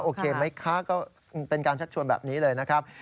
โอเคไหมคะก็เป็นการชักชวนแบบนี้เลยนะครับ